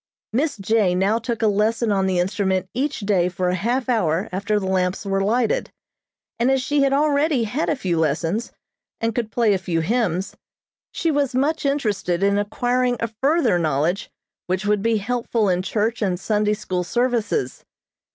Miss J. now took a lesson on the instrument each day for a half hour after the lamps were lighted, and as she had already had a few lessons, and could play a few hymns, she was much interested in acquiring a further knowledge which would be helpful in church and Sunday school services.